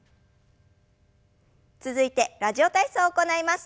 続いて「ラジオ体操」を行います。